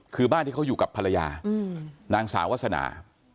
คือบ้านที่เขาอยู่กับภรรยานางสาววาสนา